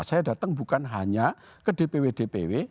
saya datang bukan hanya ke dpw dpw